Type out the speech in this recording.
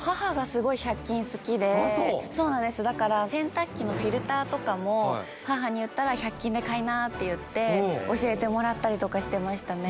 私あっそうそうなんですだから洗濯機のフィルターとかも母に言ったら１００均で買いなって言って教えてもらったりとかしてましたね